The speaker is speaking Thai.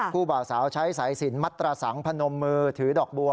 บ่าวสาวใช้สายสินมัตรสังพนมมือถือดอกบัว